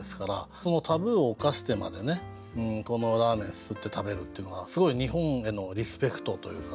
そのタブーを犯してまでねこのラーメンすすって食べるっていうのはすごい日本へのリスペクトというか感じられて。